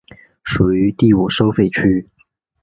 属于第五收费区。